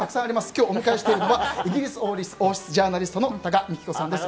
今日お迎えしているのはイギリス王室ジャーナリストの多賀幹子さんです。